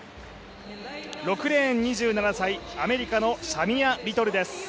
６レーン、２７歳アメリカのシャミア・リトルです。